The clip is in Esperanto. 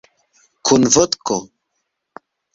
Kun vodko?